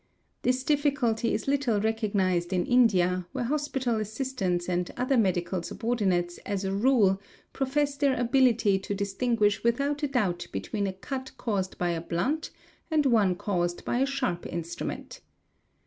| This difficulty is little recognised in India, where hospital assistants and _ other medical subordinates as a rule profess their ability to distinguish without a doubt between a cut caused by a blunt and one caused by a ih sharp instrument.